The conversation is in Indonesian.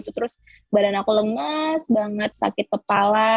terus badan aku lemas banget sakit kepala